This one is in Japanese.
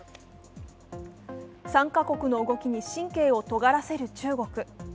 ３か国の動きに神経をとがらせる中国。